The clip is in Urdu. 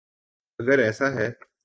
اگر ایسا ہے۔